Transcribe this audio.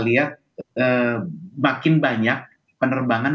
makin banyak penerbangan penerbangan jadwal penerbangan